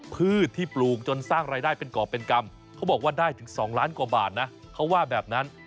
พืชที่ปลูกจนสร้างรายได้เป็นกรอบเป็นกรรมเขาบอกว่าได้ถึง๒ล้านกว่าบาทนะเขาว่าแบบนั้น